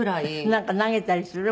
なんか投げたりする？